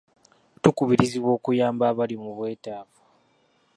Tukubirizibwa okuyamba abali mu bwetaavu.